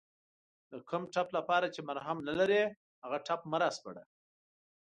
د کوم ټپ لپاره چې مرهم نلرې هغه ټپ مه راسپړه